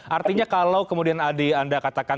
artinya kalau kemudian adik anda katakan